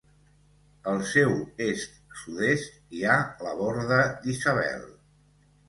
Al seu est-sud-est, hi ha la Borda d'Isabel.